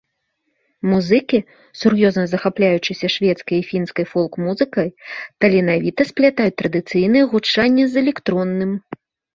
Музыкі, сур'ёзна захапляючыся шведскай і фінскай фолк-музыкай, таленавіта сплятаюць традыцыйнае гучанне з электронным.